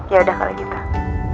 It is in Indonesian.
ya udah kalau gitu